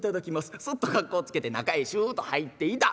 そっと格好つけて中へシュッと入っていた。